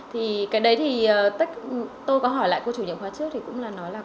thì cái đấy thì tôi có hỏi lại cô chủ nhiệm khoa trước thì cũng là nói là